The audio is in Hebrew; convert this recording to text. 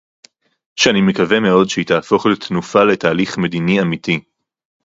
שאני מקווה מאוד שהיא תהפוך לתנופה לתהליך מדיני אמיתי